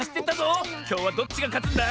きょうはどっちがかつんだ？